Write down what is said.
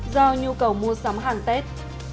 do nhu cầu mua sắm hàng tết